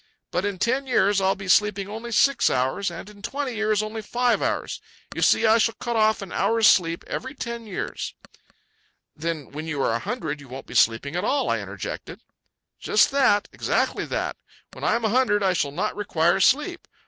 "But in ten years I'll be sleeping only six hours, and in twenty years only five hours. You see, I shall cut off an hour's sleep every ten years." "Then when you are a hundred you won't be sleeping at all," I interjected. "Just that. Exactly that. When I am a hundred I shall not require sleep.